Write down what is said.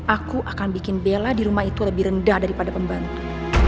aku akan bikin bella di rumah itu lebih rendah daripada pembantu